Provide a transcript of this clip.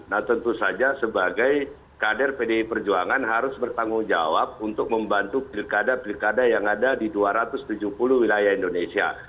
nah tentu saja sebagai kader pdi perjuangan harus bertanggung jawab untuk membantu pilkada pilkada yang ada di dua ratus tujuh puluh wilayah indonesia